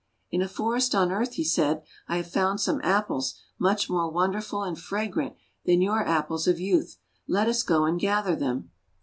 :<In a forest on earth," he said, "I have found some Apples much more wonderful and fragrant than your Apples of Youth. Let us go and gather them."